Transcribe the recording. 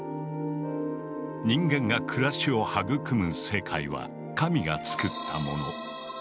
人間が暮らしを育む世界は神がつくったもの。